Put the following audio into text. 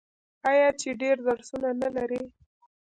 آیا چې ډیر درسونه نلري؟